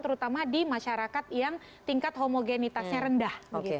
terutama di masyarakat yang tingkat homogenitasnya rendah